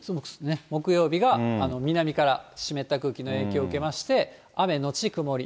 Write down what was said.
木曜日が南から湿った空気の影響受けまして、雨後曇り。